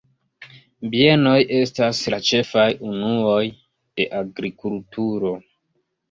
Bienoj estas la ĉefaj unuoj de agrikulturo.